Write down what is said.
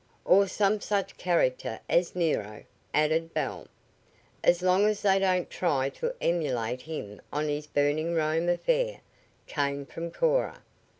"Or some such character as Nero," added Belle. "As long as they don't try to emulate him on his burning Rome affair," came from Cora.